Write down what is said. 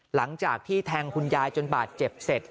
หลังจากที่แทงคุณยายจนบาดเจ็บเสร็จ